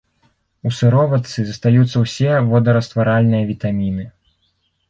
У сыроватцы застаюцца ўсе водарастваральныя вітаміны.